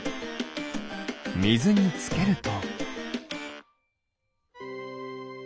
みずにつけると。